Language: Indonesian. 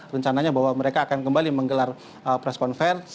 rencananya bahwa mereka akan kembali menggelar press conference